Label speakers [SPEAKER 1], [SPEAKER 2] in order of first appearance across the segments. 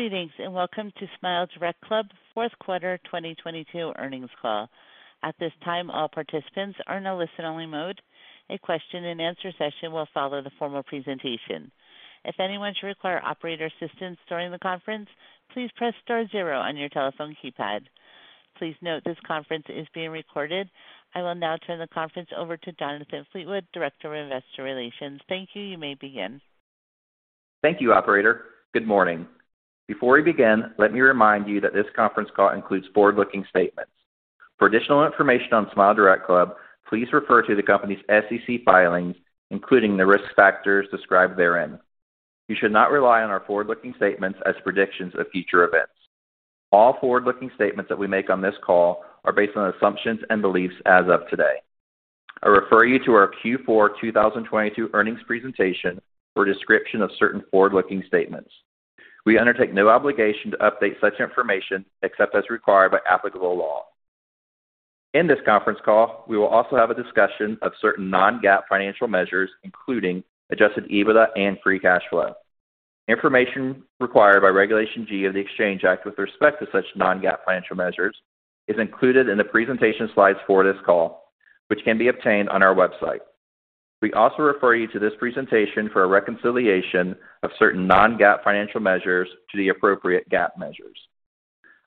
[SPEAKER 1] Greetings, and welcome to SmileDirectClub Fourth Quarter 2022 Earnings Call. At this time, all participants are in a listen-only mode. A question-and-answer session will follow the formal presentation. If anyone should require operator assistance during the conference, please press star zero on your telephone keypad. Please note this conference is being recorded. I will now turn the conference over to Jonathan Fleetwood, Director of Investor Relations. Thank you. You may begin.
[SPEAKER 2] Thank you, operator. Good morning. Before we begin, let me remind you that this conference call includes forward-looking statements. For additional information on SmileDirectClub, please refer to the company's SEC filings, including the risk factors described therein. You should not rely on our forward-looking statements as predictions of future events. All forward-looking statements that we make on this call are based on assumptions and beliefs as of today. I refer you to our Q4 2022 earnings presentation for a description of certain forward-looking statements. We undertake no obligation to update such information except as required by applicable law. In this conference call, we will also have a discussion of certain non-GAAP financial measures, including adjusted EBITDA and free cash flow. Information required by Regulation G of the Exchange Act with respect to such non-GAAP financial measures is included in the presentation slides for this call, which can be obtained on our website. We also refer you to this presentation for a reconciliation of certain non-GAAP financial measures to the appropriate GAAP measures.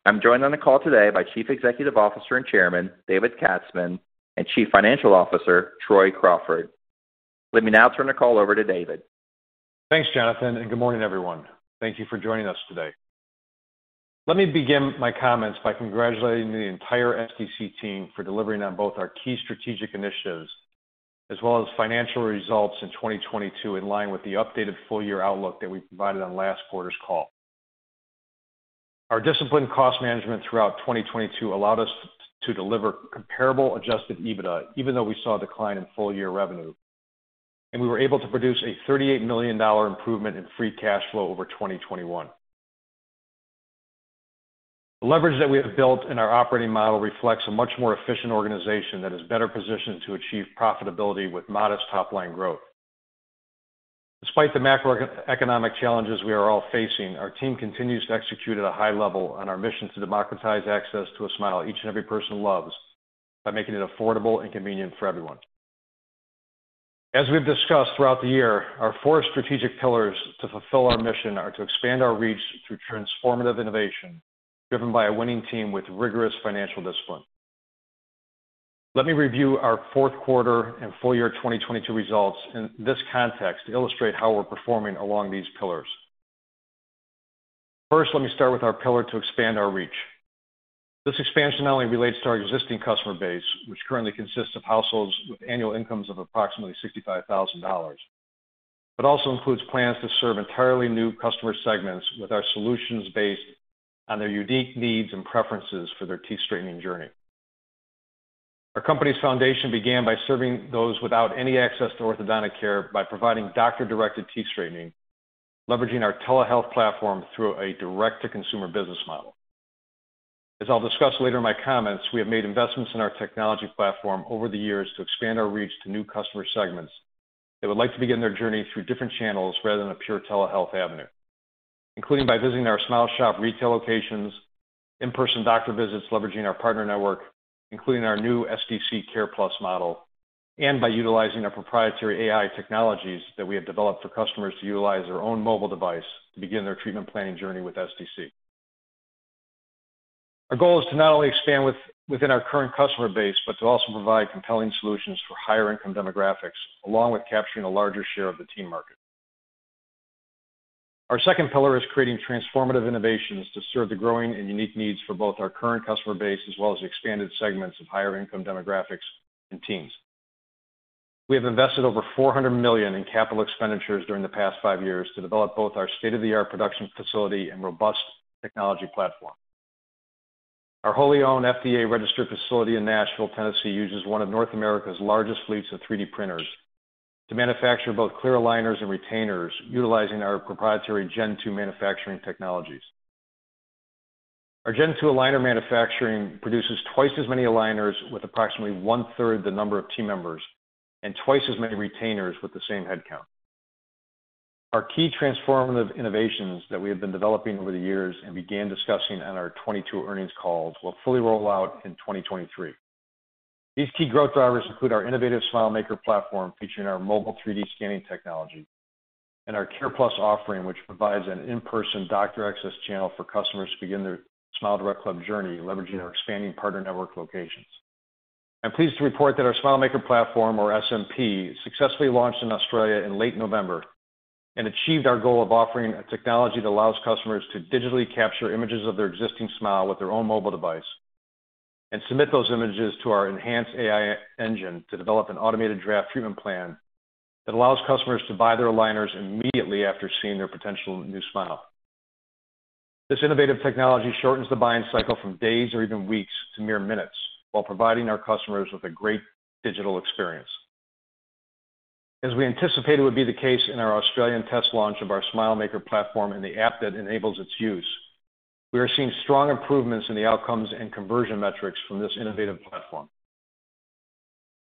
[SPEAKER 2] I'm joined on the call today by Chief Executive Officer and Chairman, David Katzman, and Chief Financial Officer, Troy Crawford. Let me now turn the call over to David.
[SPEAKER 3] Thanks, Jonathan. Good morning, everyone. Thank you for joining us today. Let me begin my comments by congratulating the entire SDC team for delivering on both our key strategic initiatives as well as financial results in 2022 in line with the updated full year outlook that we provided on last quarter's call. Our disciplined cost management throughout 2022 allowed us to deliver comparable adjusted EBITDA even though we saw a decline in full year revenue. We were able to produce a $38 million improvement in free cash flow over 2021. The leverage that we have built in our operating model reflects a much more efficient organization that is better positioned to achieve profitability with modest top-line growth. Despite the macroeconomic challenges we are all facing, our team continues to execute at a high level on our mission to democratize access to a smile each and every person loves by making it affordable and convenient for everyone. As we've discussed throughout the year, our four strategic pillars to fulfill our mission are to expand our reach through transformative innovation, driven by a winning team with rigorous financial discipline. Let me review our fourth quarter and full year 2022 results in this context to illustrate how we're performing along these pillars. First, let me start with our pillar to expand our reach. This expansion not only relates to our existing customer base, which currently consists of households with annual incomes of approximately $65,000, but also includes plans to serve entirely new customer segments with our solutions based on their unique needs and preferences for their teeth straightening journey. Our company's foundation began by serving those without any access to orthodontic care by providing doctor-directed teeth straightening, leveraging our telehealth platform through a direct-to-consumer business model. As I'll discuss later in my comments, we have made investments in our technology platform over the years to expand our reach to new customer segments that would like to begin their journey through different channels rather than a pure telehealth avenue, including by visiting our SmileShop retail locations, in-person doctor visits leveraging our partner network, including our new SDC CarePlus model, and by utilizing our proprietary AI technologies that we have developed for customers to utilize their own mobile device to begin their treatment planning journey with SDC. Our goal is to not only expand within our current customer base, but to also provide compelling solutions for higher income demographics, along with capturing a larger share of the teen market. Our second pillar is creating transformative innovations to serve the growing and unique needs for both our current customer base as well as expanded segments of higher income demographics and teens. We have invested over $400 million in capital expenditures during the past five years to develop both our state-of-the-art production facility and robust technology platform. Our wholly owned FDA registered facility in Nashville, Tennessee, uses one of North America's largest fleets of 3D printers to manufacture both clear aligners and retainers utilizing our proprietary Gen2 manufacturing technologies. Our Gen2 Aligner manufacturing produces twice as many aligners with approximately 1/3 the number of team members and twice as many retainers with the same headcount. Our key transformative innovations that we have been developing over the years and began discussing on our 2022 earnings calls will fully roll out in 2023. These key growth drivers include our innovative SmileMaker Platform featuring our mobile 3D scanning technology and our CarePlus offering, which provides an in-person doctor access channel for customers to begin their SmileDirectClub journey, leveraging our expanding partner network locations. I'm pleased to report that our SmileMaker Platform, or SMP, successfully launched in Australia in late November and achieved our goal of offering a technology that allows customers to digitally capture images of their existing smile with their own mobile device and submit those images to our enhanced AI engine to develop an automated draft treatment plan that allows customers to buy their aligners immediately after seeing their potential new smile. This innovative technology shortens the buying cycle from days or even weeks to mere minutes while providing our customers with a great digital experience. As we anticipated would be the case in our Australian test launch of our SmileMaker Platform and the app that enables its use, we are seeing strong improvements in the outcomes and conversion metrics from this innovative platform.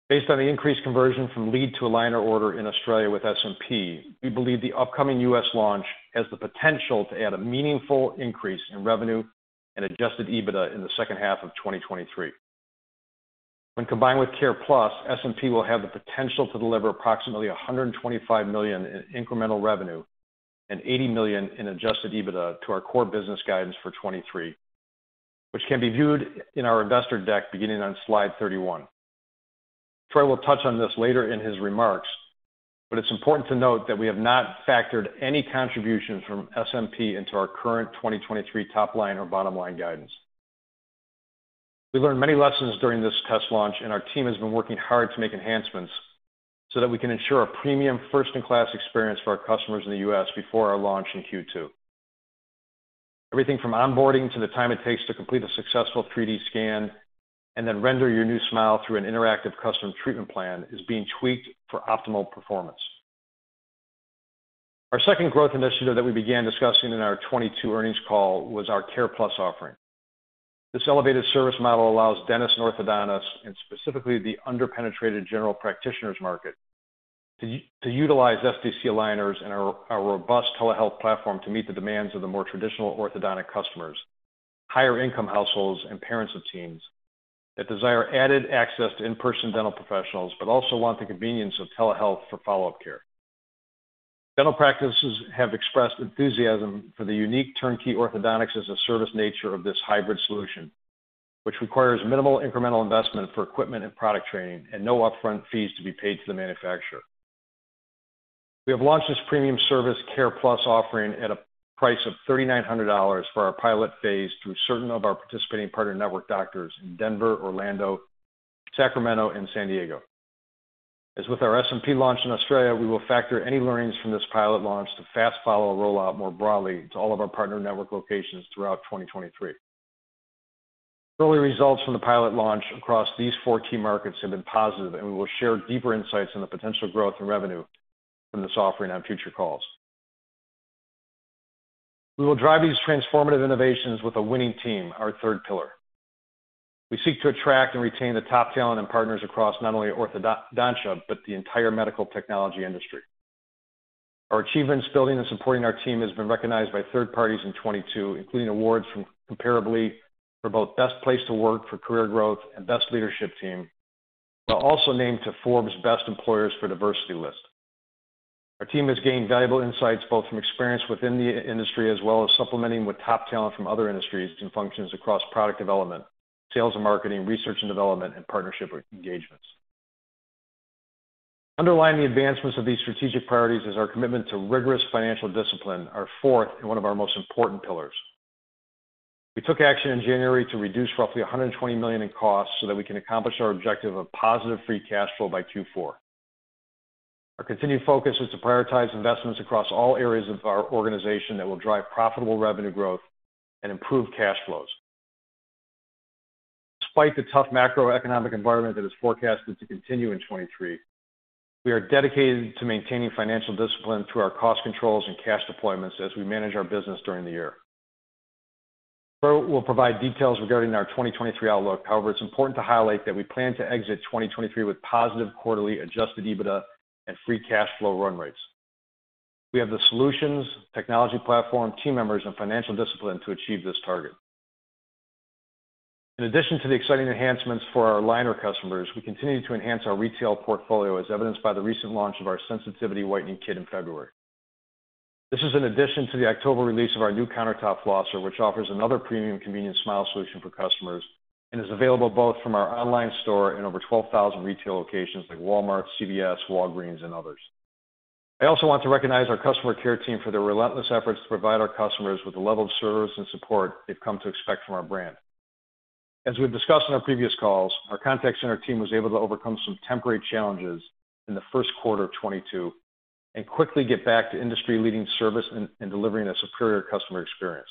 [SPEAKER 3] Based on the increased conversion from lead to aligner order in Australia with SMP, we believe the upcoming U.S. launch has the potential to add a meaningful increase in revenue and adjusted EBITDA in the second half of 2023. When combined with CarePlus, SMP will have the potential to deliver approximately $125 million in incremental revenue and $80 million in adjusted EBITDA to our core business guidance for 2023, which can be viewed in our investor deck beginning on slide 31. Troy will touch on this later in his remarks. It's important to note that we have not factored any contributions from SMP into our current 2023 top line or bottom line guidance. We learned many lessons during this test launch, our team has been working hard to make enhancements so that we can ensure a premium first-in-class experience for our customers in the U.S. before our launch in Q2. Everything from onboarding to the time it takes to complete a successful 3D scan and then render your new smile through an interactive Custom Treatment Plan is being tweaked for optimal performance. Our second growth initiative that we began discussing in our 2022 earnings call was our CarePlus offering. This elevated service model allows dentists and orthodontists, and specifically the under-penetrated general practitioners market to utilize SDC aligners and our robust telehealth platform to meet the demands of the more traditional orthodontic customers, higher income households, and parents of teens that desire added access to in-person dental professionals but also want the convenience of telehealth for follow-up care. Dental practices have expressed enthusiasm for the unique turnkey orthodontics as a service nature of this hybrid solution, which requires minimal incremental investment for equipment and product training and no upfront fees to be paid to the manufacturer. We have launched this premium service CarePlus offering at a price of $3,900 for our pilot phase through certain of our participating partner network doctors in Denver, Orlando, Sacramento, and San Diego. As with our SMP launch in Australia, we will factor any learnings from this pilot launch to fast follow a rollout more broadly to all of our partner network locations throughout 2023. Early results from the pilot launch across these four key markets have been positive, and we will share deeper insights on the potential growth in revenue from this offering on future calls. We will drive these transformative innovations with a winning team, our third pillar. We seek to attract and retain the top talent and partners across not only orthodontia but the entire medical technology industry. Our achievements building and supporting our team has been recognized by third parties in 2022, including awards from Comparably for both Best Place to Work for Career Growth and Best Leadership Team. We're also named to Forbes Best Employers for Diversity list. Our team has gained valuable insights both from experience within the industry as well as supplementing with top talent from other industries and functions across product development, sales and marketing, research and development, and partnership engagements. Underlying the advancements of these strategic priorities is our commitment to rigorous financial discipline, our fourth and one of our most important pillars. We took action in January to reduce roughly $120 million in costs so that we can accomplish our objective of positive free cash flow by Q4. Our continued focus is to prioritize investments across all areas of our organization that will drive profitable revenue growth and improve cash flows. Despite the tough macroeconomic environment that is forecasted to continue in 2023, we are dedicated to maintaining financial discipline through our cost controls and cash deployments as we manage our business during the year. Troy will provide details regarding our 2023 outlook. It's important to highlight that we plan to exit 2023 with positive quarterly adjusted EBITDA and free cash flow run rates. We have the solutions, technology platform, team members, and financial discipline to achieve this target. In addition to the exciting enhancements for our aligner customers, we continue to enhance our retail portfolio as evidenced by the recent launch of our sensitivity whitening kit in February. This is an addition to the October release of our new countertop flosser, which offers another premium convenient smile solution for customers and is available both from our online store and over 12,000 retail locations like Walmart, CVS, Walgreens, and others. I also want to recognize our customer care team for their relentless efforts to provide our customers with the level of service and support they've come to expect from our brand. As we've discussed on our previous calls, our contact center team was able to overcome some temporary challenges in the first quarter of 2022 and quickly get back to industry-leading service and delivering a superior customer experience.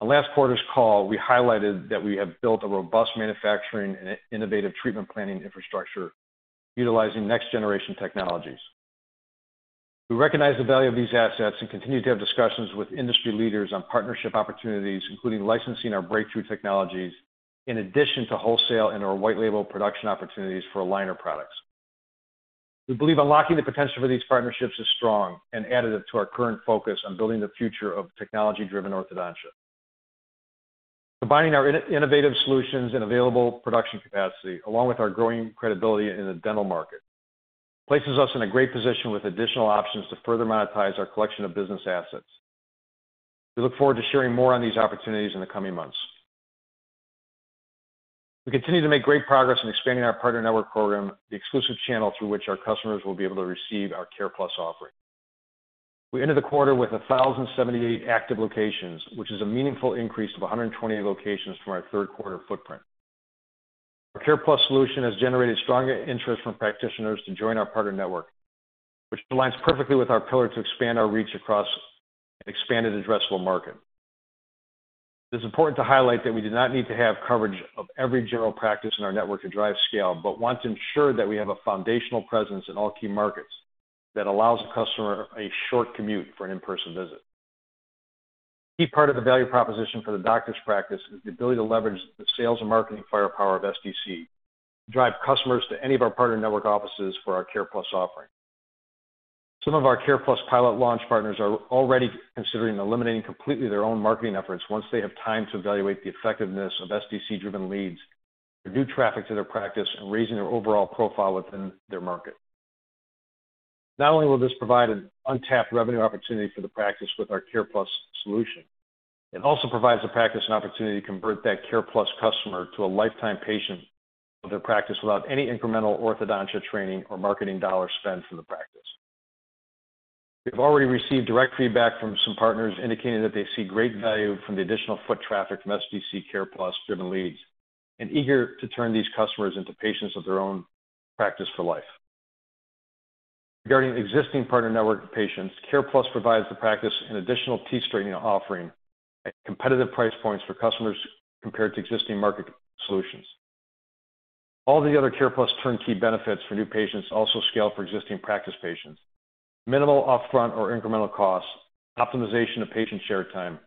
[SPEAKER 3] On last quarter's call, we highlighted that we have built a robust manufacturing and innovative treatment planning infrastructure utilizing next-generation technologies. We recognize the value of these assets and continue to have discussions with industry leaders on partnership opportunities, including licensing our breakthrough technologies in addition to wholesale and our white label production opportunities for aligner products. We believe unlocking the potential for these partnerships is strong and additive to our current focus on building the future of technology-driven orthodontia. Combining our innovative solutions and available production capacity, along with our growing credibility in the dental market, places us in a great position with additional options to further monetize our collection of business assets. We look forward to sharing more on these opportunities in the coming months. We continue to make great progress in expanding our partner network program, the exclusive channel through which our customers will be able to receive our CarePlus offering. We ended the quarter with 1,078 active locations, which is a meaningful increase of 120 locations from our third quarter footprint. Our CarePlus solution has generated stronger interest from practitioners to join our partner network, which aligns perfectly with our pillar to expand our reach across an expanded addressable market. It's important to highlight that we do not need to have coverage of every general practice in our network to drive scale, but want to ensure that we have a foundational presence in all key markets that allows a customer a short commute for an in-person visit. Key part of the value proposition for the doctor's practice is the ability to leverage the sales and marketing firepower of SDC, drive customers to any of our partner network offices for our CarePlus offering. Some of our CarePlus pilot launch partners are already considering eliminating completely their own marketing efforts once they have time to evaluate the effectiveness of SDC-driven leads to do traffic to their practice and raising their overall profile within their market. Not only will this provide an untapped revenue opportunity for the practice with our CarePlus solution, it also provides the practice an opportunity to convert that CarePlus customer to a lifetime patient of their practice without any incremental orthodontia training or marketing dollars spent from the practice. We've already received direct feedback from some partners indicating that they see great value from the additional foot traffic from SDC CarePlus driven leads, and eager to turn these customers into patients of their own practice for life. Regarding existing partner network patients, CarePlus provides the practice an additional teeth straightening offering at competitive price points for customers compared to existing market solutions. All the other CarePlus turnkey benefits for new patients also scale for existing practice patients. Minimal upfront or incremental costs, optimization of patient share time,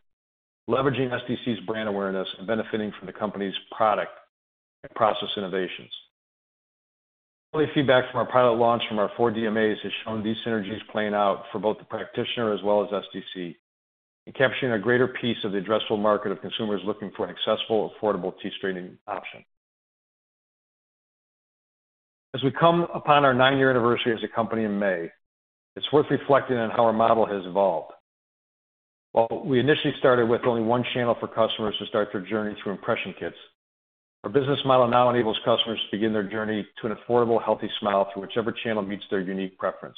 [SPEAKER 3] leveraging SDC's brand awareness, and benefiting from the company's product and process innovations. Early feedback from our pilot launch from our four DMAs has shown these synergies playing out for both the practitioner as well as SDC, and capturing a greater piece of the addressable market of consumers looking for an accessible, affordable teeth straightening option. As we come upon our nine-year anniversary as a company in May, it's worth reflecting on how our model has evolved. While we initially started with only one channel for customers to start their journey through impression kits, our business model now enables customers to begin their journey to an affordable, healthy smile through whichever channel meets their unique preference.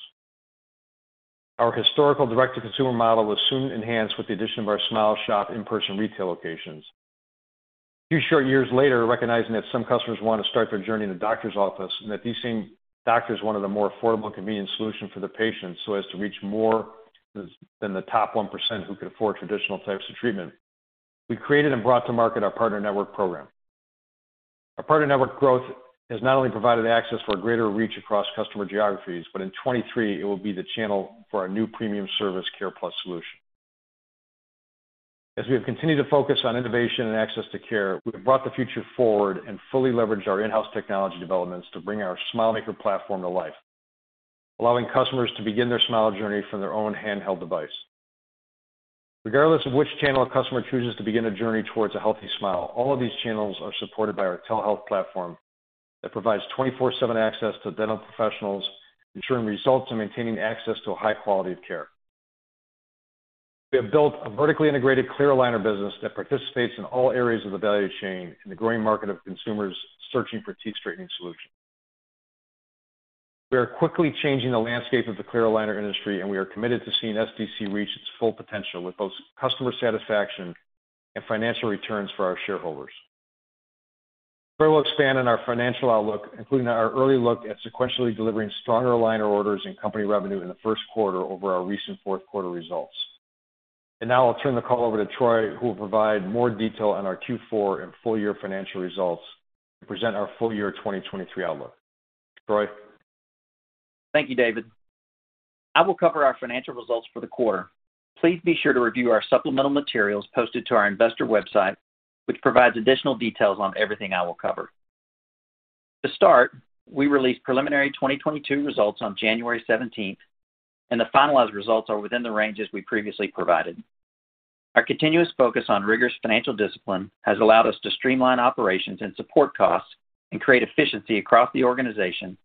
[SPEAKER 3] Our historical direct-to-consumer model was soon enhanced with the addition of our SmileShop in-person retail locations. A few short years later, recognizing that some customers want to start their journey in a doctor's office, and that these same doctors wanted a more affordable, convenient solution for the patients so as to reach more than the top 1% who could afford traditional types of treatment. We created and brought to market our partner network program. Our partner network growth has not only provided access for a greater reach across customer geographies, but in 2023, it will be the channel for our new premium service CarePlus solution. As we have continued to focus on innovation and access to care, we have brought the future forward and fully leveraged our in-house technology developments to bring our SmileMaker Platform to life, allowing customers to begin their smile journey from their own handheld device. Regardless of which channel a customer chooses to begin a journey towards a healthy smile, all of these channels are supported by our telehealth platform that provides 24/7 access to dental professionals, ensuring results and maintaining access to a high quality of care. We have built a vertically integrated clear aligner business that participates in all areas of the value chain in the growing market of consumers searching for teeth straightening solutions. We are quickly changing the landscape of the clear aligner industry, and we are committed to seeing SDC reach its full potential with both customer satisfaction and financial returns for our shareholders. Troy will expand on our financial outlook, including our early look at sequentially delivering stronger aligner orders and company revenue in the first quarter over our recent fourth quarter results. Now I'll turn the call over to Troy, who will provide more detail on our Q4 and full year financial results to present our full year 2023 outlook. Troy.
[SPEAKER 4] Thank you, David. I will cover our financial results for the quarter. Please be sure to review our supplemental materials posted to our investor website, which provides additional details on everything I will cover. We released preliminary 2022 results on January 17th, the finalized results are within the ranges we previously provided. Our continuous focus on rigorous financial discipline has allowed us to streamline operations and support costs and create efficiency across the organization,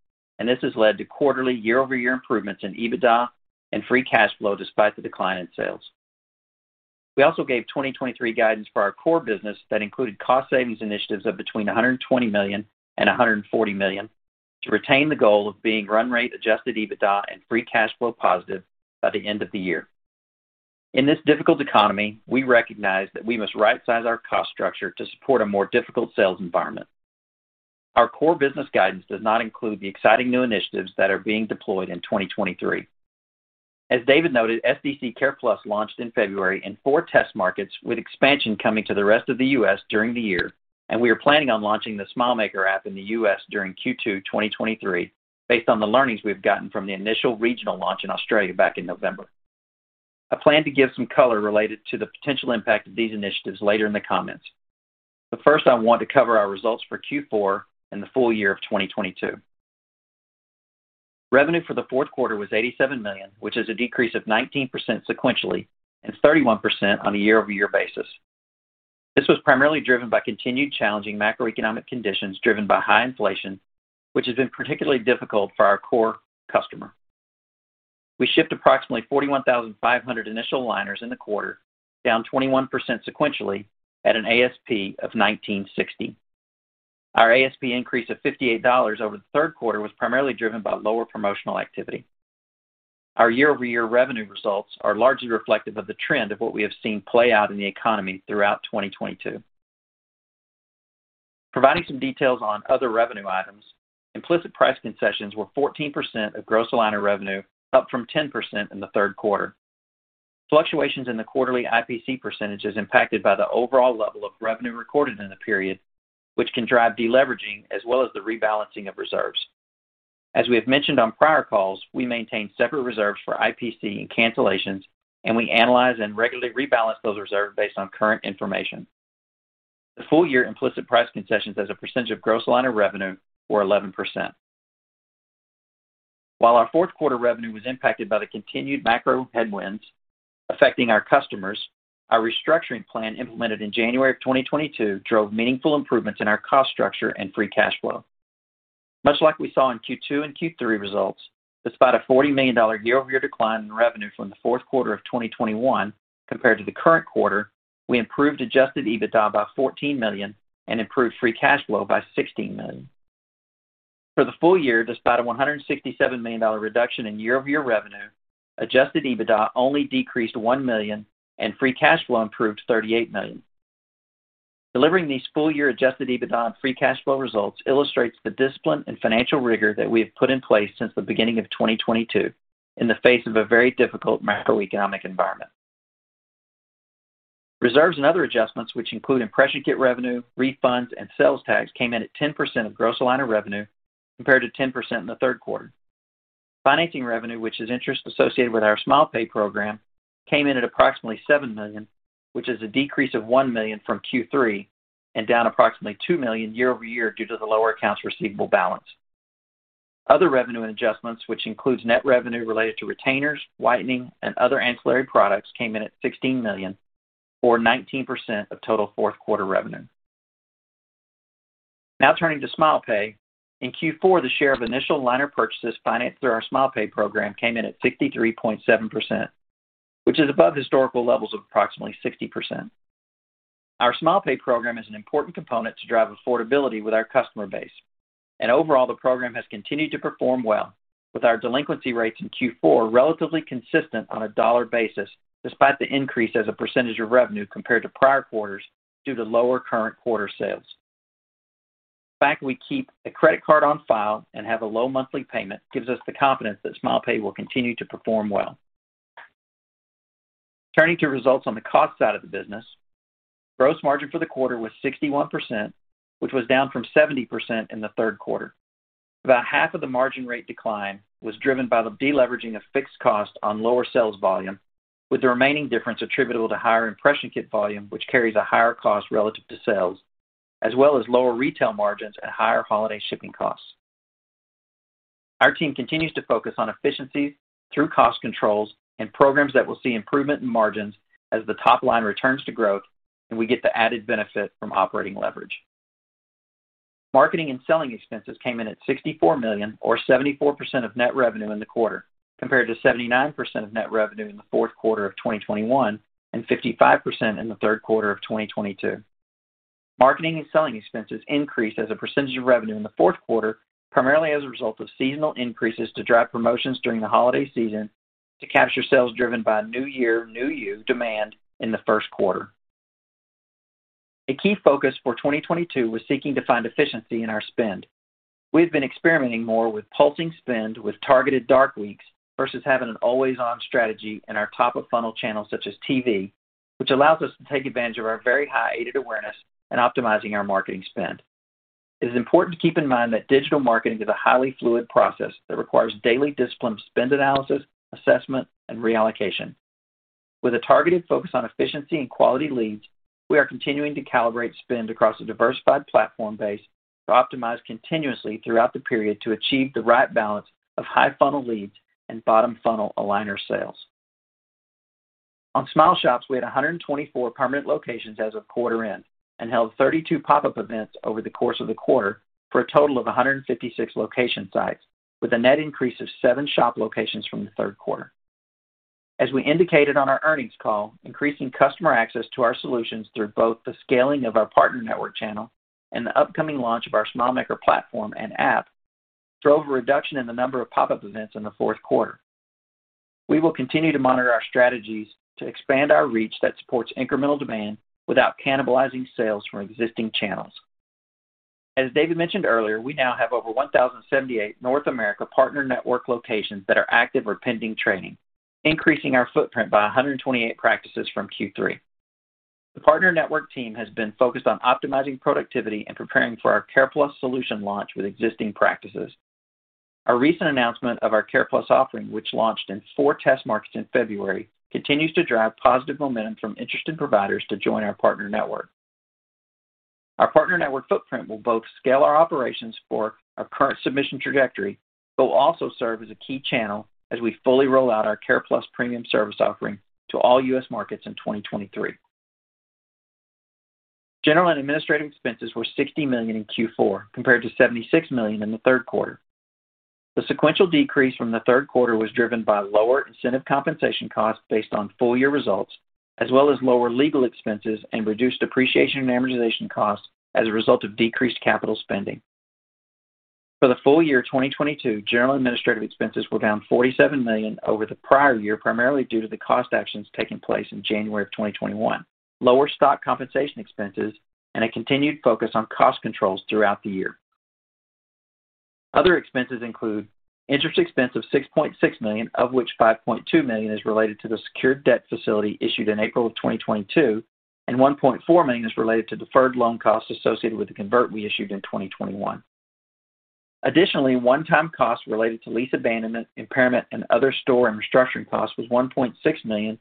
[SPEAKER 4] this has led to quarterly year-over-year improvements in EBITDA and free cash flow despite the decline in sales. We also gave 2023 guidance for our core business that included cost savings initiatives of between $120 million and $140 million to retain the goal of being run rate adjusted EBITDA and free cash flow positive by the end of the year. In this difficult economy, we recognize that we must right-size our cost structure to support a more difficult sales environment. Our core business guidance does not include the exciting new initiatives that are being deployed in 2023. As David noted, SDC CarePlus launched in February in four test markets with expansion coming to the rest of the U.S. during the year. We are planning on launching the SmileMaker app in the U.S. during Q2 2023 based on the learnings we've gotten from the initial regional launch in Australia back in November. I plan to give some color related to the potential impact of these initiatives later in the comments. First, I want to cover our results for Q4 and the full year of 2022. Revenue for the fourth quarter was $87 million, which is a decrease of 19% sequentially and 31% on a year-over-year basis. This was primarily driven by continued challenging macroeconomic conditions driven by high inflation, which has been particularly difficult for our core customer. We shipped approximately 41,500 initial aligners in the quarter, down 21 sequentially at an ASP of $1,960. Our ASP increase of $58 over the third quarter was primarily driven by lower promotional activity. Our year-over-year revenue results are largely reflective of the trend of what we have seen play out in the economy throughout 2022. Providing some details on other revenue items, implicit price concessions were 14% of gross aligner revenue, up from 10% in the third quarter. Fluctuations in the quarterly IPC percentage is impacted by the overall level of revenue recorded in the period, which can drive deleveraging as well as the rebalancing of reserves. We have mentioned on prior calls, we maintain separate reserves for IPC and cancellations, and we analyze and regularly rebalance those reserves based on current information. The full year implicit price concessions as a percentage of gross aligner revenue were 11%. Our fourth quarter revenue was impacted by the continued macro headwinds affecting our customers, our restructuring plan implemented in January of 2022 drove meaningful improvements in our cost structure and free cash flow. Much like we saw in Q2 and Q3 results, despite a $40 million year-over-year decline in revenue from the Q4 of 2021 compared to the current quarter, we improved adjusted EBITDA by $14 million and improved free cash flow by $16 million. For the full year, despite a $167 million reduction in year-over-year revenue, adjusted EBITDA only decreased $1 million and free cash flow improved $38 million. Delivering these full-year adjusted EBITDA and free cash flow results illustrates the discipline and financial rigor that we have put in place since the beginning of 2022 in the face of a very difficult macroeconomic environment. Reserves and other adjustments which include impression kit revenue, refunds, and sales tax came in at 10% of gross aligner revenue compared to 10% in the Q3. Financing revenue, which is interest associated with our SmilePay program, came in at approximately $7 million, which is a decrease of $1 million from Q3 and down approximately $2 million year-over-year due to the lower accounts receivable balance. Other revenue and adjustments, which includes net revenue related to retainers, whitening, and other ancillary products, came in at $16 million or 19% of total fourth quarter revenue. Turning to SmilePay. In Q4, the share of initial aligner purchases financed through our SmilePay program came in at 63.7%, which is above historical levels of approximately 60%. Our SmilePay program is an important component to drive affordability with our customer base. Overall, the program has continued to perform well with our delinquency rates in Q4 relatively consistent on a dollar basis despite the increase as a percentage of revenue compared to prior quarters due to lower current quarter sales. The fact that we keep a credit card on file and have a low monthly payment gives us the confidence that SmilePay will continue to perform well. Turning to results on the cost side of the business, gross margin for the quarter was 61%, which was down from 70% in the third quarter. About half of the margin rate decline was driven by the deleveraging of fixed cost on lower sales volume, with the remaining difference attributable to higher impression kit volume, which carries a higher cost relative to sales, as well as lower retail margins and higher holiday shipping costs. Our team continues to focus on efficiencies through cost controls and programs that will see improvement in margins as the top line returns to growth and we get the added benefit from operating leverage. Marketing and selling expenses came in at $64 million or 74% of net revenue in the quarter compared to 79% of net revenue in the fourth quarter of 2021 and 55% in the third quarter of 2022. Marketing and selling expenses increased as a percentage of revenue in the fourth quarter, primarily as a result of seasonal increases to drive promotions during the holiday season to capture sales driven by New Year, New You demand in the first quarter. A key focus for 2022 was seeking to find efficiency in our spend. We've been experimenting more with pulsing spend with targeted dark weeks versus having an always-on strategy in our top-of-funnel channels such as TV, which allows us to take advantage of our very high aided awareness in optimizing our marketing spend. It is important to keep in mind that digital marketing is a highly fluid process that requires daily disciplined spend analysis, assessment, and reallocation. With a targeted focus on efficiency and quality leads, we are continuing to calibrate spend across a diversified platform base to optimize continuously throughout the period to achieve the right balance of high funnel leads and bottom funnel aligner sales. On SmileShops, we had 124 permanent locations as of quarter end and held 32 pop-up events over the course of the quarter for a total of 156 location sites, with a net increase of seven shop locations from the third quarter. As we indicated on our earnings call, increasing customer access to our solutions through both the scaling of our partner network channel and the upcoming launch of our SmileMaker Platform and app drove a reduction in the number of pop-up events in the fourth quarter. We will continue to monitor our strategies to expand our reach that supports incremental demand without cannibalizing sales from existing channels. As David mentioned earlier, we now have over 1,078 North America partner network locations that are active or pending training, increasing our footprint by 128 practices from Q3. The partner network team has been focused on optimizing productivity and preparing for our CarePlus solution launch with existing practices. Our recent announcement of our CarePlus offering, which launched in four test markets in February, continues to drive positive momentum from interested providers to join our partner network. Our partner network footprint will both scale our operations for our current submission trajectory, but will also serve as a key channel as we fully roll out our CarePlus premium service offering to all U.S. markets in 2023. General and administrative expenses were $60 million in Q4, compared to $76 million in the third quarter. The sequential decrease from the third quarter was driven by lower incentive compensation costs based on full year results, as well as lower legal expenses and reduced depreciation and amortization costs as a result of decreased capital spending. For the full year 2022, general and administrative expenses were down $47 million over the prior year, primarily due to the cost actions taking place in January of 2021. Lower stock compensation expenses and a continued focus on cost controls throughout the year. Other expenses include interest expense of $6.6 million, of which $5.2 million is related to the secured debt facility issued in April of 2022 and $1.4 million is related to deferred loan costs associated with the convert we issued in 2021. Additionally, one-time costs related to lease abandonment, impairment, and other store and restructuring costs was $1.6 million,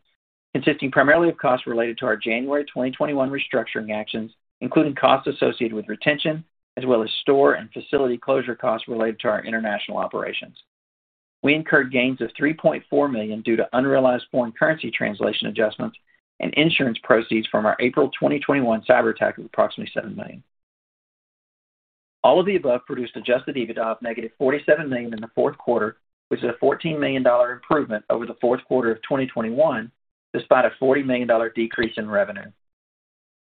[SPEAKER 4] consisting primarily of costs related to our January 2021 restructuring actions, including costs associated with retention as well as store and facility closure costs related to our international operations. We incurred gains of $3.4 million due to unrealized foreign currency translation adjustments and insurance proceeds from our April 2021 cyber attack of approximately $7 million. All of the above produced adjusted EBITDA of -$47 million in the fourth quarter, which is a $14 million improvement over the fourth quarter of 2021, despite a $40 million decrease in revenue.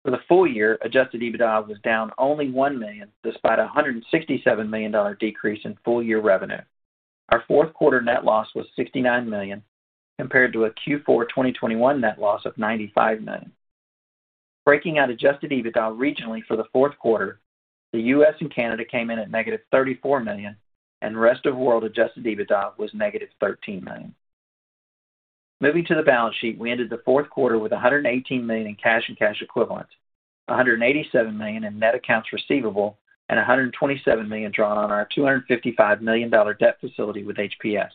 [SPEAKER 4] For the full year, adjusted EBITDA was down only $1 million, despite a $167 million decrease in full year revenue. Our fourth quarter net loss was $69 million compared to a Q4 2021 net loss of $95 million. Breaking out adjusted EBITDA regionally for the fourth quarter, the U.S. and Canada came in at -$34 million and rest of world adjusted EBITDA was -$13 million. Moving to the balance sheet, we ended the fourth quarter with $118 million in cash and cash equivalents, $187 million in net accounts receivable, and $127 million drawn on our $255 million debt facility with HPS.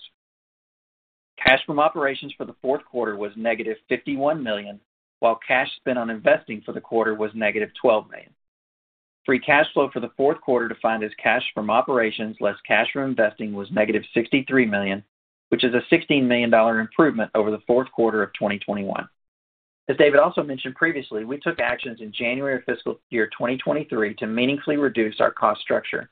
[SPEAKER 4] Cash from operations for the fourth quarter was -$51 million, while cash spent on investing for the quarter was -$12 million. Free cash flow for the fourth quarter defined as cash from operations less cash from investing was -$63 million, which is a $16 million improvement over the fourth quarter of 2021. As David also mentioned previously, we took actions in January of fiscal year 2023 to meaningfully reduce our cost structure.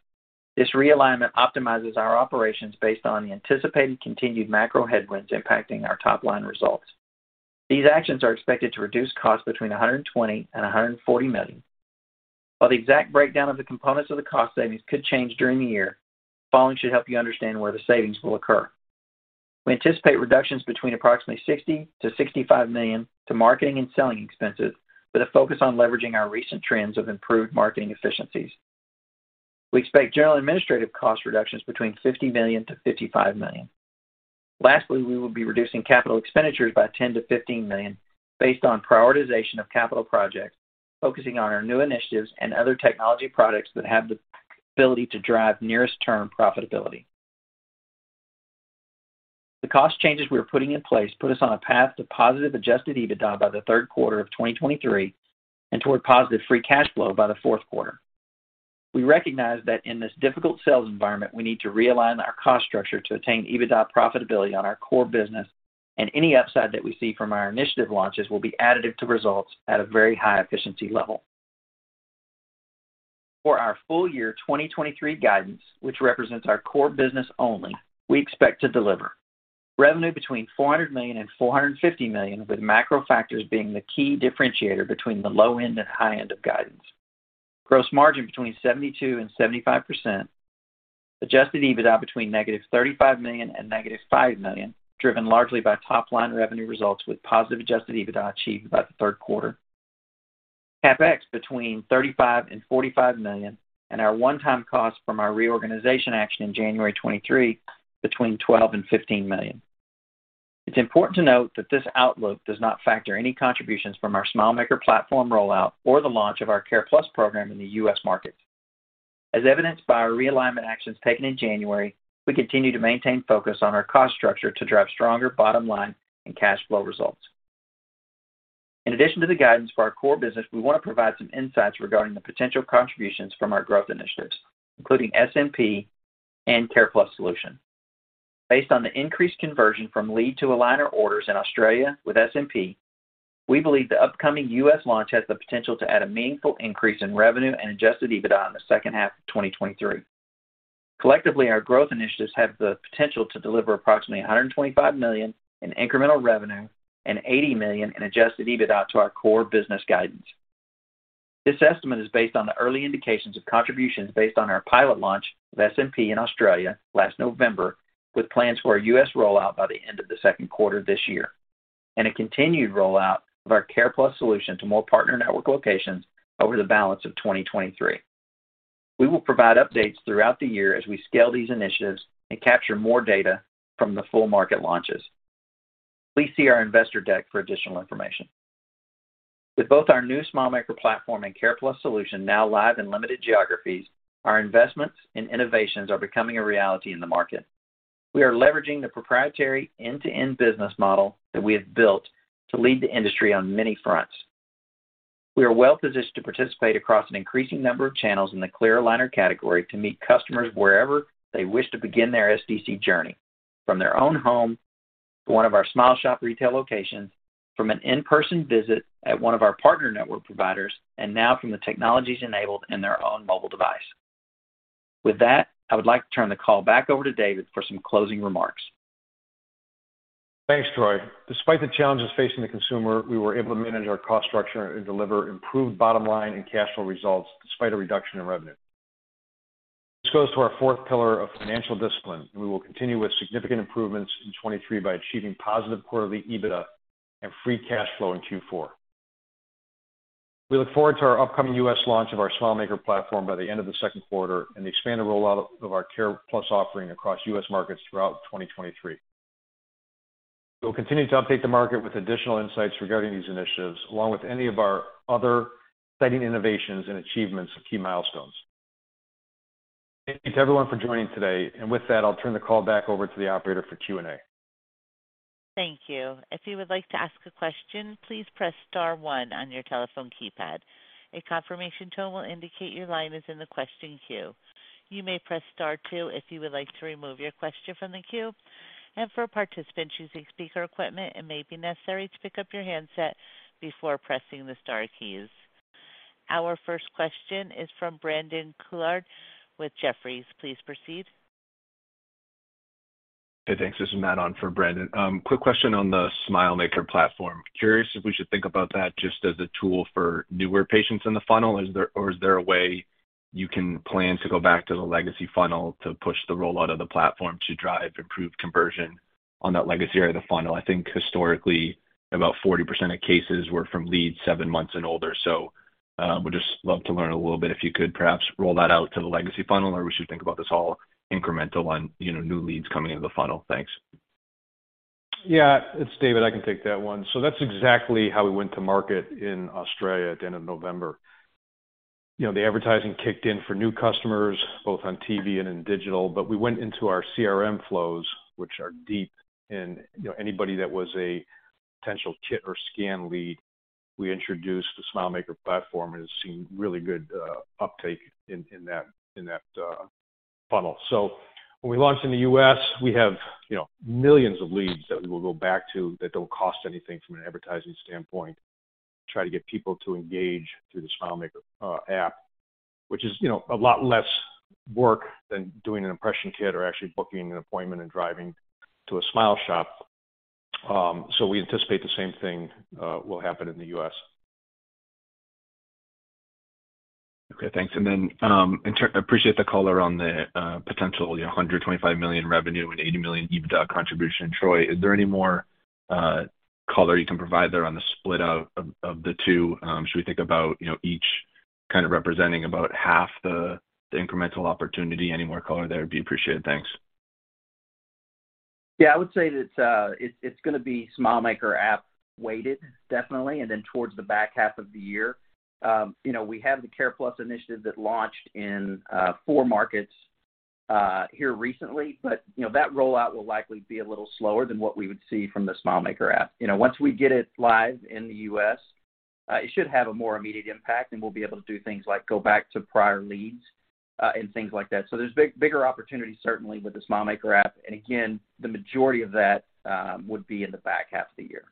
[SPEAKER 4] This realignment optimizes our operations based on the anticipated continued macro headwinds impacting our top-line results. These actions are expected to reduce costs between $120 million and $140 million. While the exact breakdown of the components of the cost savings could change during the year, the following should help you understand where the savings will occur. We anticipate reductions between approximately $60 million-$65 million to marketing and selling expenses with a focus on leveraging our recent trends of improved marketing efficiencies. We expect general administrative cost reductions between $50 million-$55 million. Lastly, we will be reducing capital expenditures by $10 million-$15 million based on prioritization of capital projects focusing on our new initiatives and other technology products that have the ability to drive nearest term profitability. The cost changes we are putting in place put us on a path to positive adjusted EBITDA by the third quarter of 2023 and toward positive free cash flow by the fourth quarter. We recognize that in this difficult sales environment, we need to realign our cost structure to attain EBITDA profitability on our core business, any upside that we see from our initiative launches will be additive to results at a very high efficiency level. For our full year 2023 guidance, which represents our core business only, we expect to deliver revenue between $400 million and $450 million, with macro factors being the key differentiator between the low end and high end of guidance. Gross margin between 72% and 75%. Adjusted EBITDA between -$35 million and -$5 million, driven largely by top line revenue results with positive adjusted EBITDA achieved by the third quarter. CapEx between $35 million and $45 million, our one-time cost from our reorganization action in January 2023 between $12 million and $15 million. It's important to note that this outlook does not factor any contributions from our SmileMaker Platform rollout or the launch of our CarePlus program in the U.S. market. As evidenced by our realignment actions taken in January, we continue to maintain focus on our cost structure to drive stronger bottom line and cash flow results. In addition to the guidance for our core business, we want to provide some insights regarding the potential contributions from our growth initiatives, including SMP and CarePlus solution. Based on the increased conversion from lead to aligner orders in Australia with SMP, we believe the upcoming U.S. launch has the potential to add a meaningful increase in revenue and adjusted EBITDA in the second half of 2023. Collectively, our growth initiatives have the potential to deliver approximately $125 million in incremental revenue and $80 million in adjusted EBITDA to our core business guidance. This estimate is based on the early indications of contributions based on our pilot launch of SMP in Australia last November, with plans for a U.S. rollout by the end of the second quarter this year, and a continued rollout of our CarePlus solution to more partner network locations over the balance of 2023. We will provide updates throughout the year as we scale these initiatives and capture more data from the full market launches. Please see our investor deck for additional information. With both our new SmileMaker Platform and CarePlus solution now live in limited geographies, our investments and innovations are becoming a reality in the market. We are leveraging the proprietary end-to-end business model that we have built to lead the industry on many fronts. We are well positioned to participate across an increasing number of channels in the clear aligner category to meet customers wherever they wish to begin their SDC journey, from their own home to one of our SmileShop retail locations, from an in-person visit at one of our partner network providers, and now from the technologies enabled in their own mobile device. With that, I would like to turn the call back over to David for some closing remarks.
[SPEAKER 3] Thanks, Troy. Despite the challenges facing the consumer, we were able to manage our cost structure and deliver improved bottom line and cash flow results despite a reduction in revenue. This goes to our fourth pillar of financial discipline, and we will continue with significant improvements in 2023 by achieving positive quarterly EBITDA and free cash flow in Q4. We look forward to our upcoming U.S. launch of our SmileMaker Platform by the end of the second quarter and the expanded rollout of our CarePlus offering across U.S. markets throughout 2023. We'll continue to update the market with additional insights regarding these initiatives, along with any of our other exciting innovations and achievements of key milestones. Thank you to everyone for joining today. With that, I'll turn the call back over to the operator for Q&A.
[SPEAKER 1] Thank you. If you would like to ask a question, please press star one on your telephone keypad. A confirmation tone will indicate your line is in the question queue. You may press star two if you would like to remove your question from the queue. For participants using speaker equipment, it may be necessary to pick up your handset before pressing the star keys. Our first question is from Brandon Couillard with Jefferies. Please proceed.
[SPEAKER 5] Hey, thanks. This is Matt on for Brandon. quick question on the SmileMaker Platform. Curious if we should think about that just as a tool for newer patients in the funnel? Is there a way you can plan to go back to the legacy funnel to push the rollout of the platform to drive improved conversion on that legacy or the funnel? I think historically, about 40% of cases were from leads seven months and older. Would just love to learn a little bit, if you could perhaps roll that out to the legacy funnel, or we should think about this all incremental on, you know, new leads coming into the funnel? Thanks.
[SPEAKER 3] Yeah, it's David. I can take that one. That's exactly how we went to market in Australia at the end of November. You know, the advertising kicked in for new customers, both on TV and in digital, but we went into our CRM flows, which are deep in, you know, anybody that was a potential kit or scan lead. We introduced the SmileMaker Platform, and it's seen really good uptake in that funnel. When we launched in the U.S., we have, you know, millions of leads that we will go back to that don't cost anything from an advertising standpoint, try to get people to engage through the SmileMaker app, which is, you know, a lot less work than doing an impression kit or actually booking an appointment and driving to a SmileShop. We anticipate the same thing, will happen in the U.S..
[SPEAKER 5] Okay, thanks. I appreciate the color on the potential, you know, $125 million revenue and $80 million EBITDA contribution. Troy, is there any more color you can provide there on the split out of the two? Should we think about, you know, each kind of representing about half the incremental opportunity? Any more color there would be appreciated. Thanks.
[SPEAKER 4] Yeah. I would say that it's gonna be SmileMaker app weighted, definitely, and then towards the back half of the year. You know, we have the CarePlus initiative that launched in four markets here recently, but, you know, that rollout will likely be a little slower than what we would see from the SmileMaker app. You know, once we get it live in the U.S., it should have a more immediate impact, and we'll be able to do things like go back to prior leads, and things like that. There's bigger opportunities certainly with the SmileMaker app, and again, the majority of that would be in the back half of the year.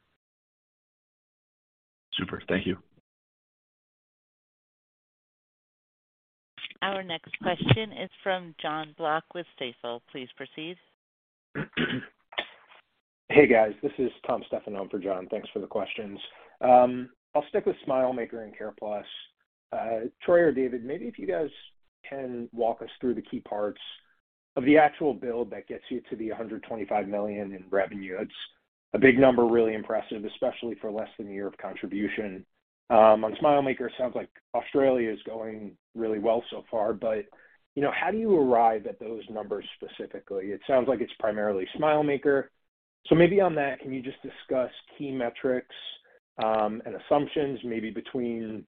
[SPEAKER 5] Super. Thank you.
[SPEAKER 1] Our next question is from John Block with Stifel. Please proceed.
[SPEAKER 6] Hey, guys. This is Tom Stephan for John. Thanks for the questions. I'll stick with SmileMaker and CarePlus. Troy or David, maybe if you guys can walk us through the key parts of the actual build that gets you to the $125 million in revenue. It's a big number, really impressive, especially for less than a year of contribution. On SmileMaker, it sounds like Australia is going really well so far, but, you know, how do you arrive at those numbers specifically? It sounds like it's primarily SmileMaker. Maybe on that, can you just discuss key metrics, and assumptions, maybe between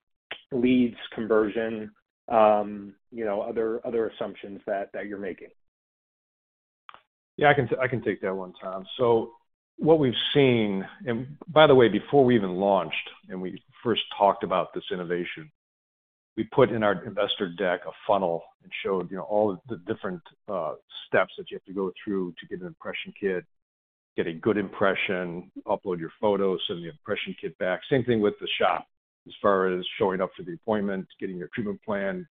[SPEAKER 6] leads conversion, you know, other assumptions that you're making?
[SPEAKER 3] I can take that one, Tom. What we've seen. By the way, before we even launched and we first talked about this innovation, we put in our investor deck a funnel and showed, you know, all of the different steps that you have to go through to get an impression kit, get a good impression, upload your photos, send the impression kit back. Same thing with the shop as far as showing up for the appointment, getting your treatment plan,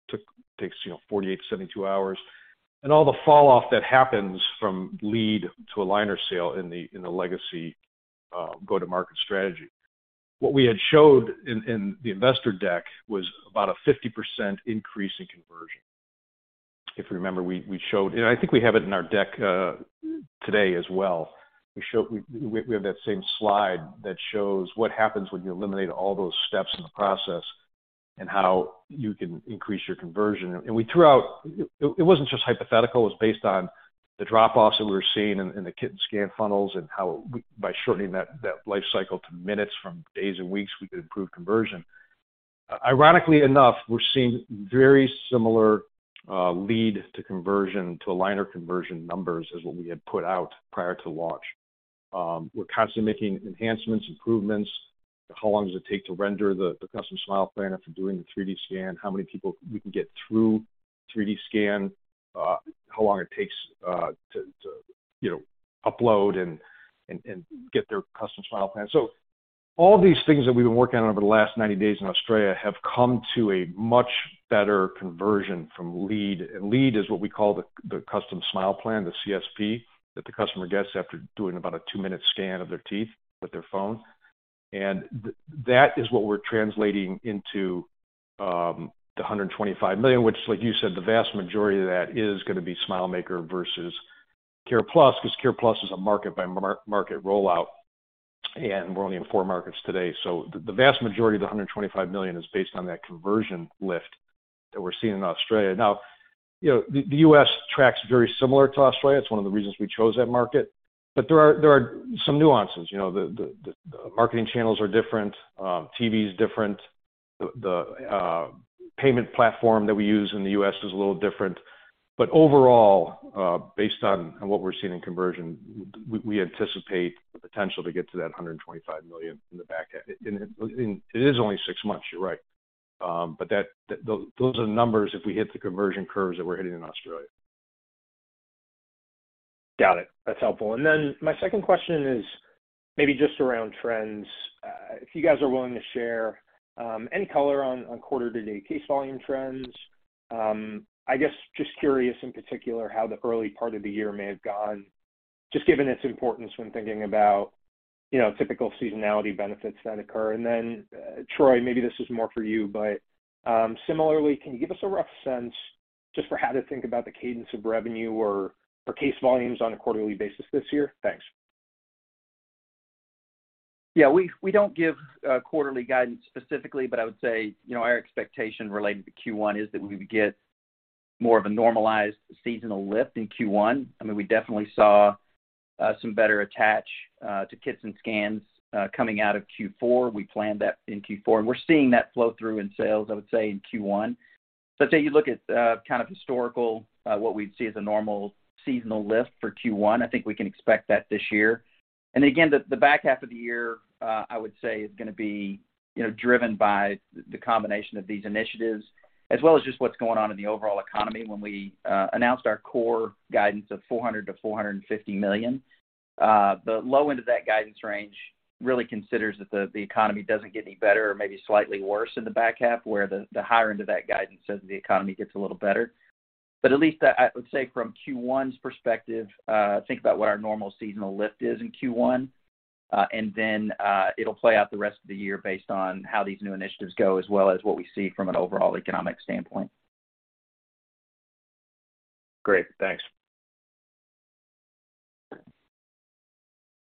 [SPEAKER 3] takes, you know, 48, 72 hours. All the falloff that happens from lead to a liner sale in the legacy go-to-market strategy. What we had showed in the investor deck was about a 50% increase in conversion. If you remember, we showed. I think we have it in our deck today as well. We have that same slide that shows what happens when you eliminate all those steps in the process and how you can increase your conversion. It wasn't just hypothetical. It was based on the drop-offs that we were seeing in the kit and scan funnels and how by shortening that life cycle to minutes from days and weeks, we could improve conversion. Ironically enough, we're seeing very similar lead to conversion to liner conversion numbers as what we had put out prior to launch. We're constantly making enhancements, improvements. How long does it take to render the Custom Smile Plan after doing the 3D scan? How many people we can get through 3D scan? How long it takes to, you know, upload and get their Custom Smile Plan. All these things that we've been working on over the last 90 days in Australia have come to a much better conversion from lead. Lead is what we call the Custom Smile Plan, the CSP, that the customer gets after doing about a two-minute scan of their teeth with their phone. That is what we're translating into $125 million, which, like you said, the vast majority of that is gonna be SmileMaker versus CarePlus, 'cause CarePlus is a market by market rollout. And we're only in four markets today. The vast majority of the $125 million is based on that conversion lift that we're seeing in Australia. You know, the U.S. tracks very similar to Australia. It's one of the reasons we chose that market. There are some nuances. You know, the marketing channels are different, TV is different. The payment platform that we use in the U.S. is a little different. Overall, based on what we're seeing in conversion, we anticipate the potential to get to that $125 million in the back half. It is only six months, you're right. Those are the numbers if we hit the conversion curves that we're hitting in Australia.
[SPEAKER 6] Got it. That's helpful. My second question is maybe just around trends. If you guys are willing to share, any color on quarter-to-date case volume trends. I guess just curious in particular how the early part of the year may have gone, just given its importance when thinking about, you know, typical seasonality benefits that occur. Troy, maybe this is more for you, but similarly, can you give us a rough sense just for how to think about the cadence of revenue or case volumes on a quarterly basis this year? Thanks.
[SPEAKER 4] Yeah, we don't give quarterly guidance specifically, but I would say, you know, our expectation related to Q1 is that we would get more of a normalized seasonal lift in Q1. I mean, we definitely saw some better attach to kits and scans coming out of Q4. We planned that in Q4, and we're seeing that flow through in sales, I would say, in Q1. I'd say you look at kind of historical what we'd see as a normal seasonal lift for Q1. I think we can expect that this year. Again, the back half of the year, I would say is gonna be, you know, driven by the combination of these initiatives as well as just what's going on in the overall economy. When we announced our core guidance of $400 million-$450 million, the low end of that guidance range really considers that the economy doesn't get any better or maybe slightly worse in the back half, where the higher end of that guidance says the economy gets a little better. At least I would say from Q1's perspective, think about what our normal seasonal lift is in Q1. It'll play out the rest of the year based on how these new initiatives go, as well as what we see from an overall economic standpoint.
[SPEAKER 6] Great. Thanks.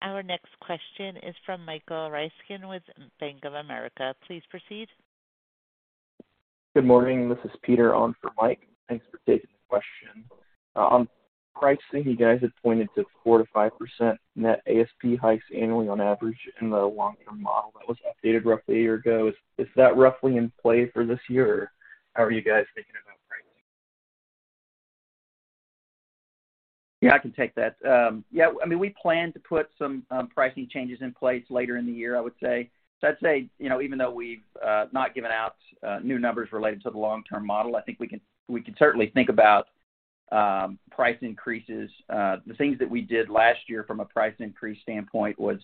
[SPEAKER 1] Our next question is from Michael Ryskin with Bank of America. Please proceed.
[SPEAKER 7] Good morning. This is Peter on for Mike. Thanks for taking the question. On pricing, you guys had pointed to 4% to 5% net ASP hikes annually on average in the long-term model that was updated roughly a year ago. Is that roughly in play for this year? How are you guys thinking about pricing?
[SPEAKER 4] Yeah, I can take that. I mean, we plan to put some pricing changes in place later in the year, I would say. I'd say, you know, even though we've not given out new numbers related to the long-term model, I think we can certainly think about price increases. The things that we did last year from a price increase standpoint was,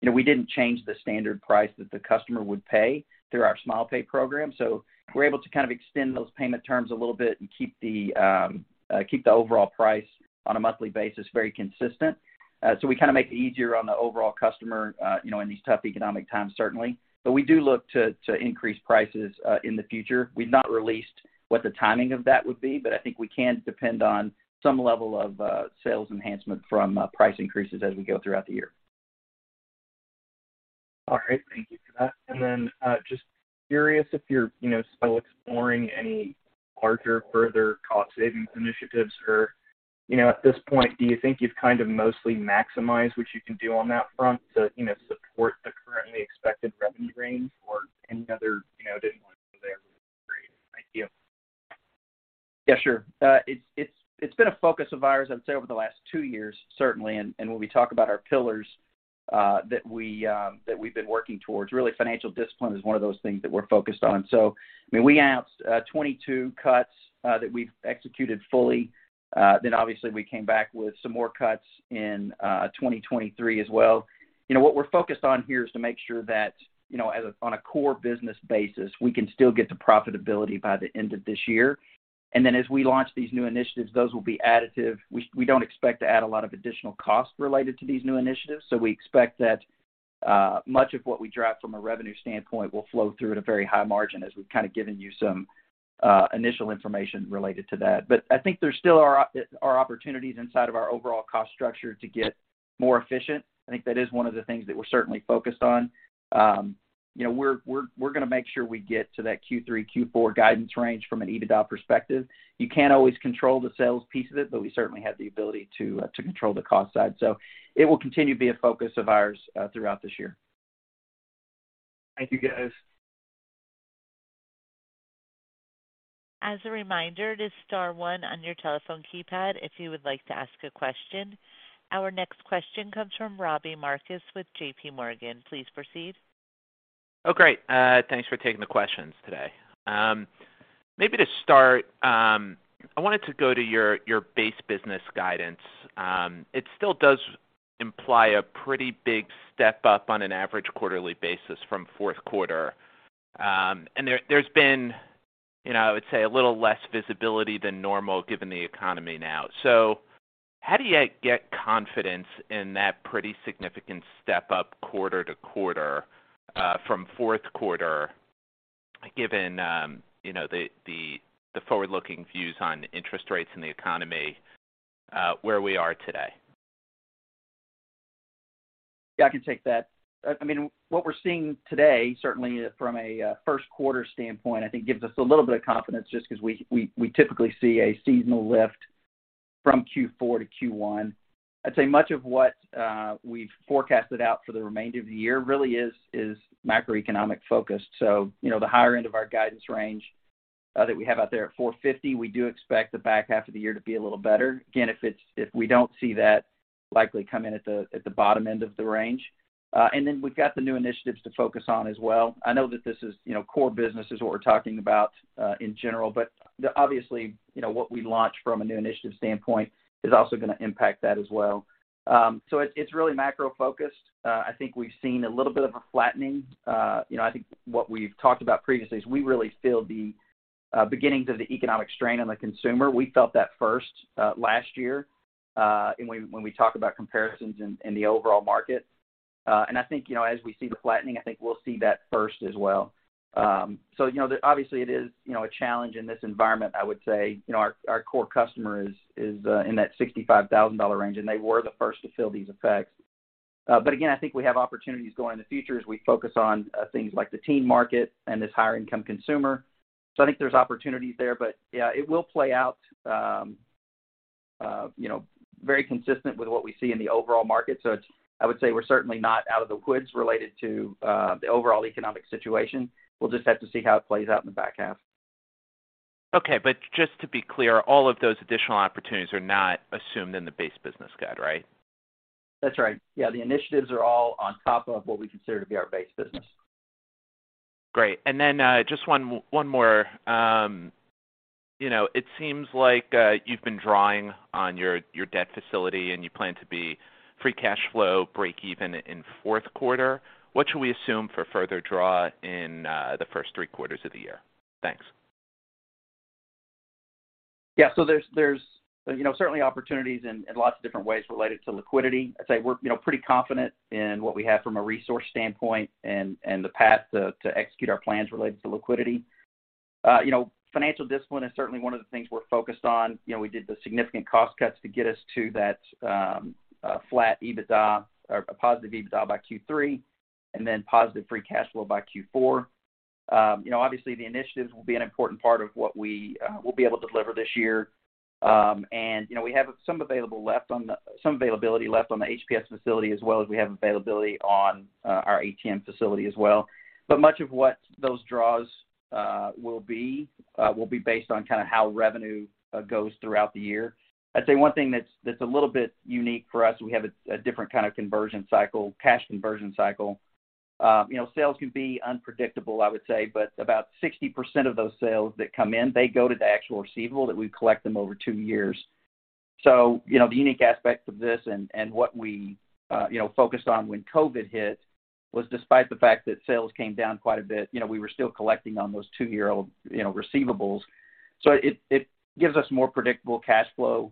[SPEAKER 4] you know, we didn't change the standard price that the customer would pay through our SmilePay program. We're able to kind of extend those payment terms a little bit and keep the overall price on a monthly basis very consistent. We kind of make it easier on the overall customer, you know, in these tough economic times, certainly. We do look to increase prices in the future. We've not released what the timing of that would be, I think we can depend on some level of sales enhancement from price increases as we go throughout the year.
[SPEAKER 7] All right. Thank you for that. Then, just curious if you're, you know, still exploring any larger, further cost savings initiatives or, you know, at this point, do you think you've kind of mostly maximized what you can do on that front to, you know, support the currently expected revenue range or any other, you know, additional idea?
[SPEAKER 4] Yeah, sure. It's been a focus of ours, I'd say, over the last two years, certainly. And when we talk about our pillars that we've been working towards, really financial discipline is one of those things that we're focused on. I mean, we announced 22 cuts that we've executed fully. Obviously we came back with some more cuts in 2023 as well. You know, what we're focused on here is to make sure that, you know, on a core business basis, we can still get to profitability by the end of this year. As we launch these new initiatives, those will be additive. We don't expect to add a lot of additional costs related to these new initiatives. We expect that much of what we drive from a revenue standpoint will flow through at a very high margin, as we've kind of given you some initial information related to that. I think there still are opportunities inside of our overall cost structure to get more efficient. I think that is one of the things that we're certainly focused on. You know, we're gonna make sure we get to that Q3, Q4 guidance range from an EBITDA perspective. You can't always control the sales piece of it, but we certainly have the ability to control the cost side. It will continue to be a focus of ours throughout this year.
[SPEAKER 7] Thank you, guys.
[SPEAKER 1] As a reminder, to star 1 on your telephone keypad if you would like to ask a question. Our next question comes from Robbie Marcus with JPMorgan. Please proceed.
[SPEAKER 8] Oh, great. Thanks for taking the questions today. Maybe to start, I wanted to go to your base business guidance. It still does imply a pretty big step up on an average quarterly basis from fourth quarter. There, there's been, you know, I would say a little less visibility than normal given the economy now. How do you get confidence in that pretty significant step up quarter to quarter from fourth quarter? Given, you know, the, the forward-looking views on interest rates and the economy, where we are today.
[SPEAKER 4] Yeah, I can take that. I mean, what we're seeing today, certainly from a first quarter standpoint, I think gives us a little bit of confidence just 'cause we typically see a seasonal lift from Q4 to Q1. I'd say much of what we've forecasted out for the remainder of the year really is macroeconomic focused. You know, the higher end of our guidance range that we have out there at $450, we do expect the back half of the year to be a little better. Again, if we don't see that likely come in at the bottom end of the range. We've got the new initiatives to focus on as well. I know that this is, you know, core business is what we're talking about, in general, but the obviously, you know, what we launch from a new initiative standpoint is also gonna impact that as well. It's, it's really macro-focused. I think we've seen a little bit of a flattening. You know, I think what we've talked about previously is we really feel the beginnings of the economic strain on the consumer. We felt that first last year, and when we talk about comparisons in the overall market. I think, you know, as we see the flattening, I think we'll see that first as well. You know, obviously it is, you know, a challenge in this environment, I would say. You know, our core customer is in that $65,000 range, and they were the first to feel these effects. Again, I think we have opportunities going in the future as we focus on things like the teen market and this higher income consumer. I think there's opportunities there, but yeah, it will play out, you know, very consistent with what we see in the overall market. I would say we're certainly not out of the woods related to the overall economic situation. We'll just have to see how it plays out in the back half.
[SPEAKER 8] Okay, just to be clear, all of those additional opportunities are not assumed in the base business guide, right?
[SPEAKER 4] That's right. Yeah, the initiatives are all on top of what we consider to be our base business.
[SPEAKER 8] Great. Just one more. You know, it seems like you've been drawing on your debt facility and you plan to be free cash flow breakeven in fourth quarter. What should we assume for further draw in the first three quarters of the year? Thanks.
[SPEAKER 4] Yeah. There's, you know, certainly opportunities in lots of different ways related to liquidity. I'd say we're, you know, pretty confident in what we have from a resource standpoint and the path to execute our plans related to liquidity. You know, financial discipline is certainly one of the things we're focused on. You know, we did the significant cost cuts to get us to that flat EBITDA or a positive EBITDA by Q3, and then positive free cash flow by Q4. You know, obviously the initiatives will be an important part of what we will be able to deliver this year. You know, we have some availability left on the HPS facility as well as we have availability on our ATM facility as well. Much of what those draws will be will be based on kinda how revenue goes throughout the year. I'd say one thing that's a little bit unique for us, we have a different kind of conversion cycle, cash conversion cycle. You know, sales can be unpredictable, I would say, but about 60% of those sales that come in, they go to the actual receivable that we collect them over two years. You know, the unique aspects of this and what we, you know, focused on when COVID hit was despite the fact that sales came down quite a bit, you know, we were still collecting on those two-year-old, you know, receivables. It gives us more predictable cash flow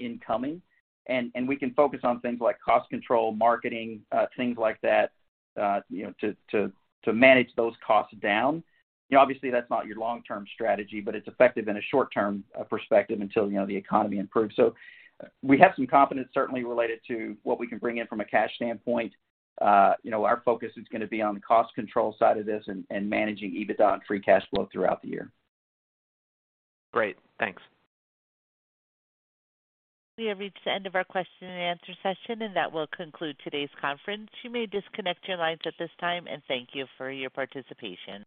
[SPEAKER 4] incoming, and we can focus on things like cost control, marketing, things like that, you know, to manage those costs down. You know, obviously that's not your long-term strategy, but it's effective in a short-term perspective until, you know, the economy improves. We have some confidence certainly related to what we can bring in from a cash standpoint. You know, our focus is gonna be on the cost control side of this and managing EBITDA and free cash flow throughout the year.
[SPEAKER 8] Great. Thanks.
[SPEAKER 1] We have reached the end of our question and answer session, and that will conclude today's conference. You may disconnect your lines at this time, and thank you for your participation.